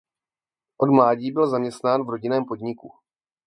Od mládí byl zaměstnán v rodinném podniku.